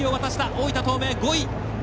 大分東明、５位。